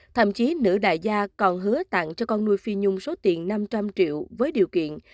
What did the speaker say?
thậm chí nữ đại gia còn hứa tặng cho con nuôi phi nhung số tiền năm trăm linh triệu với điều kiện